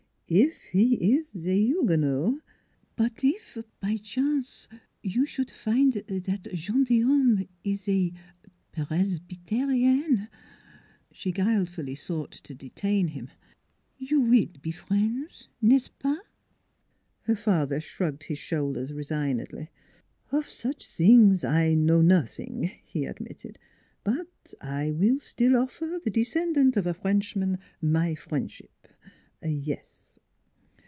If he is a Huguenot '" But, if by chance, you should find that gentil homme a a Pares be be te rien," she guilefully sought to detain him. " You will be friends n'est ce pas?" Her father shrugged his shoulders resignedly. " Of such things I know nothing," he admitted. " But I will still offer the descendant of a French man my friendship yes."